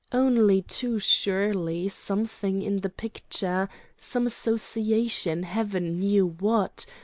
Only too surely something in the picture, some association—heaven knew what!